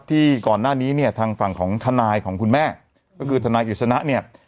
ที่ก่อนหน้านี้เนี่ยทางฝั่งของทนายของคุณแม่ก็คือทนายกฤษณะเนี่ย